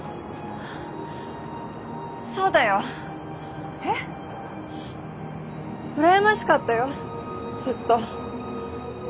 そうだよ。えっ？羨ましかったよずっと。